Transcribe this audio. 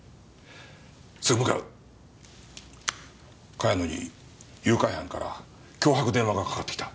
茅野に誘拐犯から脅迫電話がかかってきた。